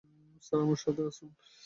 Sir, আমার সাথে আসুন।